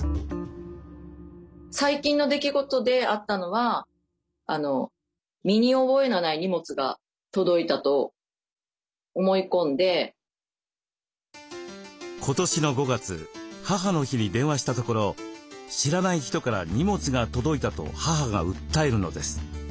最近の出来事であったのは今年の５月母の日に電話したところ「知らない人から荷物が届いた」と母が訴えるのです。